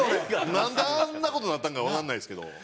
なんであんな事になったんかはわかんないですけど。